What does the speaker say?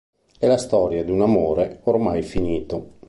È la storia di un amore ormai finito.